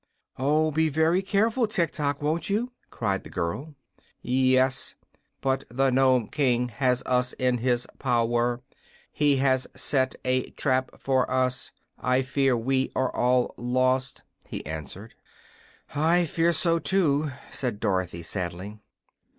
"Oh, be very careful, Tiktok; won't you?" cried the girl. "Yes. But the Nome King has us in his power, and he has set a trap for us. I fear we are all lost." he answered. "I fear so, too," said Dorothy, sadly.